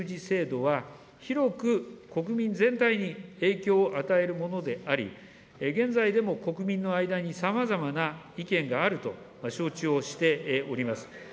制度は、広く国民全体に影響を与えるものであり、現在でも国民の間にさまざまな意見があると承知をしております。